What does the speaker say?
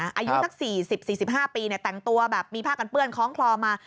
อายุทั้งสี่สิบสี่สิบห้าปีน่ะแต่งตัวแบบมีผ้ากันเปื้อนคล้องคลอมา